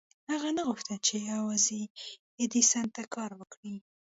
هغه نه غوښتل چې يوازې ايډېسن ته کار وکړي.